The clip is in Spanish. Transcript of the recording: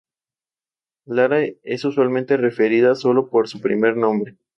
El presidente puede ejecutar varias facultades con el consejo y sentimiento del Senado.